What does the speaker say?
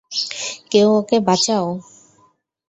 কেউ ওকে বাঁচাউ।